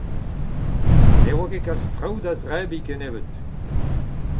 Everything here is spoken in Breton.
Ne oa ket kalz traoù da zebriñ kennebeut.